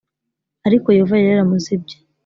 ariko Yehova yari yaramuzibye